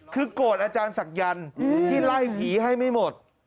คือกดอาจารย์ศักดิ์ยันที่ไล่ผีให้ไม่หมด